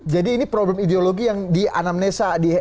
jadi ini problem ideologi yang dianamnesa